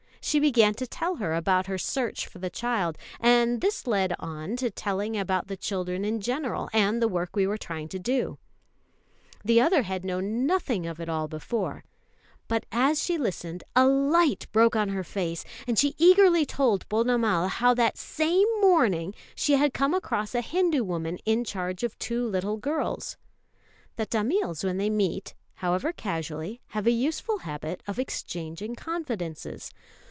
She began to tell her about her search for the child; and this led on to telling about the children in general, and the work we were trying to do. The other had known nothing of it all before; but as she listened, a light broke on her face, and she eagerly told Ponnamal how that same morning she had come across a Hindu woman in charge of two little girls. The Tamils when they meet, however casually, have a useful habit of exchanging confidences.